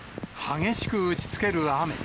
激しく打ちつける雨。